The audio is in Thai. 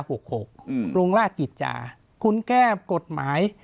่มลงร่าชิตจ่าคุณแก้กกฎหมาย